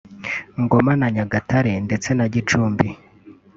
Ngoma na Nyagatare ndetse na Gicumbi